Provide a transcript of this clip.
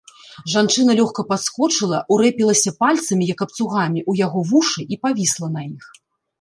Жанчына лёгка падскочыла, урэпілася пальцамі, як абцугамі, у яго вушы і павісла на іх.